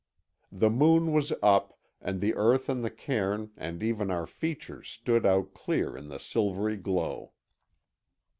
The moon was up, and the earth and the cairn and even our features stood out clear in the silvery glow.